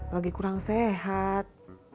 lagi kurang sehat